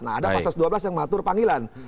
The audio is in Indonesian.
nah ada pasal dua belas yang mengatur panggilan